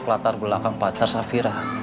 latar belakang pacar safira